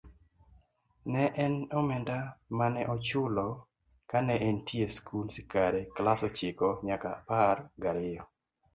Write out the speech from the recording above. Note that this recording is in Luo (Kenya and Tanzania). Ne en omenda mane ochulo kane entie skul ckare klass ochiko nyaka apar gariyo.